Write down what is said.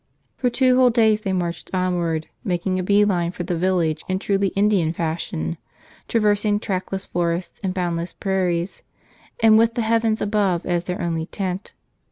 For two whole days they marched onward, making a bee line for the village in truly Indian fashion, traversing trackless forests and boundless prairies and with the heavens above as their only tent.